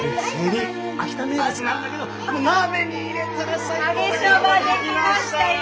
できましたよ。